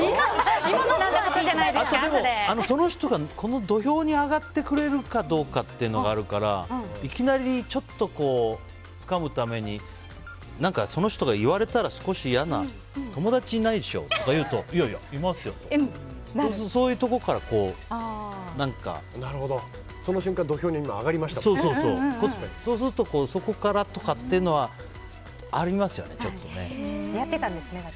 その人が、この土俵に上がってくれるかというのがあるからいきなり、ちょっとつかむためにその人が言われたら少し嫌な友達いないでしょ？とかいうといやいや、いますよってその瞬間そうすると、そこからってのはやってたんですね。